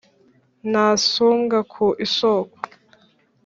Ntasumbwa ku isuku: